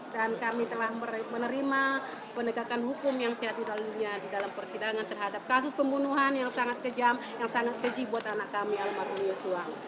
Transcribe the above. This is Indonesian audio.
dan kami telah menerima penegakan hukum yang sehat di dalam persidangan terhadap kasus pembunuhan yang sangat kejam yang sangat keji buat anak kami almarhum yosua